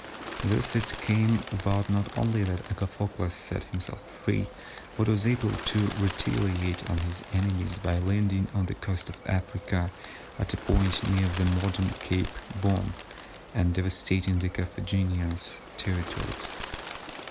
Thus it came about not only that Agathocles set himself free, but was able to retaliate on his enemies by landing on the coast of Africa at a point near the modern Cape Bon, and devastating the Carthaginian territories.